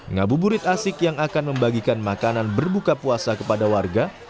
ngabuburit asik yang akan membagikan makanan berbuka puasa kepada warga